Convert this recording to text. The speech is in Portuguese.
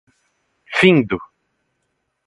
Findo